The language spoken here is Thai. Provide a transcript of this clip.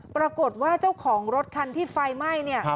ปรากฏว่าเจ้าของรถคันที่ไฟไหม้เนี่ย